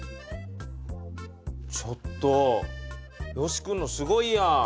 ちょっとよし君のすごいやん。